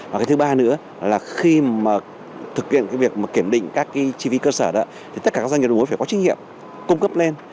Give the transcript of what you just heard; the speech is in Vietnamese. và cái thứ ba nữa là khi thực hiện việc kiểm định các chi phí cơ sở đó thì tất cả các doanh nghiệp đồng bối phải có trí nghiệm cung cấp lên